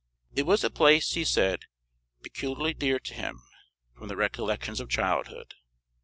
It was a place, he said, peculiarly dear to him, from the recollections of childhood.